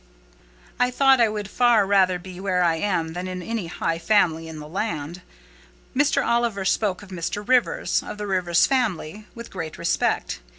I thought I would far rather be where I am than in any high family in the land. Mr. Oliver spoke of Mr. Rivers—of the Rivers family—with great respect.